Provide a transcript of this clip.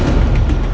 kau tidak tahu